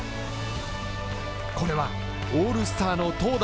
これはオールスターの投打